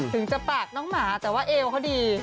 ถึงจะปากน้องหมาแต่ว่าเอวเขาดี